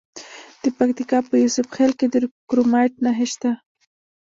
د پکتیکا په یوسف خیل کې د کرومایټ نښې شته.